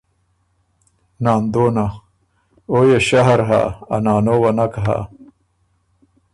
ناندونه: او يې شهر هۀ، ا نانو وه نک هۀ۔